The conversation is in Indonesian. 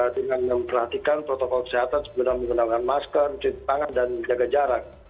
dengan memperhatikan protokol kesehatan sebenarnya menggunakan masker cuci tangan dan menjaga jarak